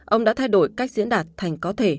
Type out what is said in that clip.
ông đã thay đổi cách diễn đạt thành có thể